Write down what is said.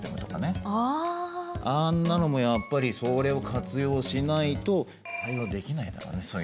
あんなのもやっぱりそれを活用しないと対応できないだろうね。